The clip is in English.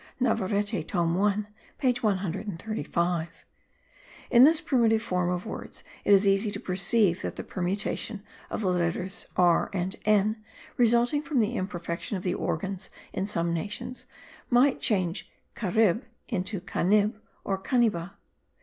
] Navarete tome 1 page 135. In this primitive form of words it is easy to perceive that the permutation of the letters r and n, resulting from the imperfection of the organs in some nations, might change carib into canib, or caniba.